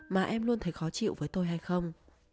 mà em luôn thấy khó chịu với tôi hay không